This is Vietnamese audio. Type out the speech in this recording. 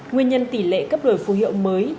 nguyên nhân tỷ lệ cấp đổi phù hiệu mới